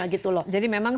jadi memang semuanya